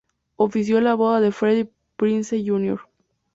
Ofició la boda de Freddie Prinze, Jr.